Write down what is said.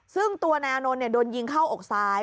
ซึ่งตัวนายอานนท์โดนยิงเข้าอกซ้าย